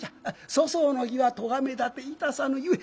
粗相の儀は咎め立ていたさぬゆえ